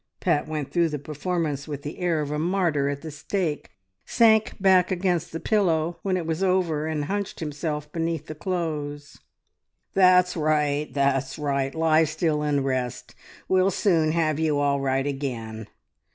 Pat went through the performance with the air of a martyr at the stake, sank back against the pillow when it was over, and hunched himself beneath the clothes. "That's right! That's right! Lie still and rest. We'll soon have you all right again.